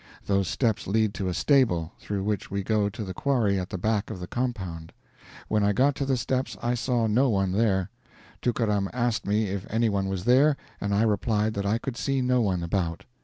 Those steps lead to a stable, through which we go to the quarry at the back of the compound. When I got to the steps I saw no one there. Tookaram asked me if any one was there, and I replied that I could see no one about.